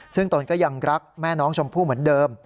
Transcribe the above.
ซึ่งตนก็ยังรักแม่น้องชมพู่เหมือนเดิม